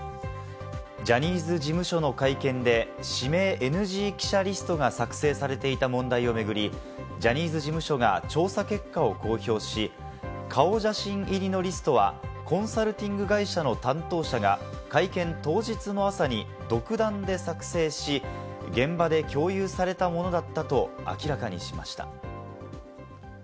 ジャニーズ事務所の会見で指名ＮＧ記者リストが作成されていた問題を巡り、ジャニーズ事務所が調査結果を公表し、顔写真入りのリストは、コンサルティング会社の担当者が会見当日の朝に独断で作成し、現場で共有されたものだったと明らかにしました。